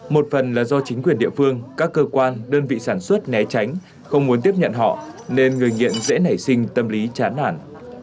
một phần là do chính quyền địa phương các cơ quan đơn vị sản xuất né tránh không muốn tiếp nhận họ nên người nghiện dễ nảy sinh tâm lý chán nản